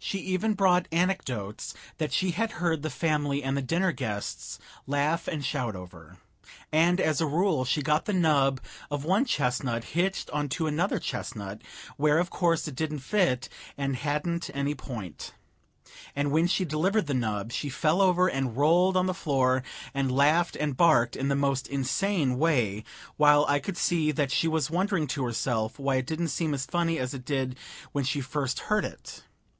She even brought anecdotes that she had heard the family and the dinner guests laugh and shout over; and as a rule she got the nub of one chestnut hitched onto another chestnut, where, of course, it didn't fit and hadn't any point; and when she delivered the nub she fell over and rolled on the floor and laughed and barked in the most insane way, while I could see that she was wondering to herself why it didn't seem as funny as it did when she first heard it.